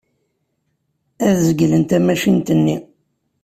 Ad zeglen tamacint-nni.